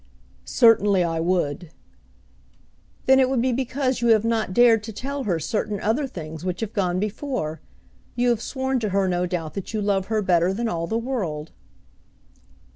"Certainly I would." "Then it would be because you have not dared to tell her certain other things which have gone before. You have sworn to her no doubt that you love her better than all the world."